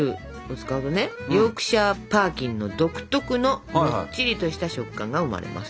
ヨークシャー・パーキンの独特のもっちりとした食感が生まれます。